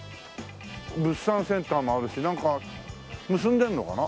物産センターもあるしなんか結んでんのかな？